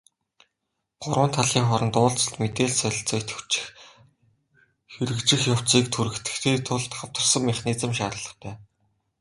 Гурван талын хооронд уулзалт, мэдээлэл солилцоо идэвхжиж, хэрэгжих явцыг түргэтгэхийн тулд хамтарсан механизм шаардлагатай.